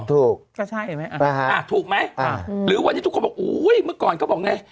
ถูกถูกไหมอ่าหรือวันนี้ทุกคนบอกโอ้ยเมื่อก่อนเขาบอกไง